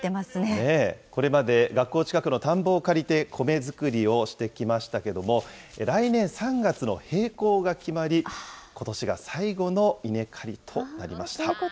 これまで学校近くの田んぼを借りて、米作りをしてきましたけれども、来年３月の閉校が決まり、ことしが最後の稲刈りとなりました。